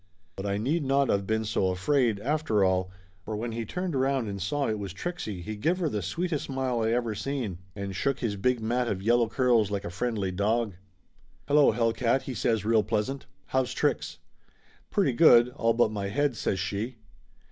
But I need not of been so afraid, after all, for when he turned around and saw it was Trixie he give her the sweetest smile I ever seen, and shook his big mat of yellow curls like a friendly dog. 1 64 Laughtei Limited "Hello, hellcat/' he says real pleasant. "How's tricks?" "Pretty good, all but my head !" says she.